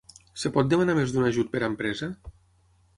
Es pot demanar més d'un ajut per empresa?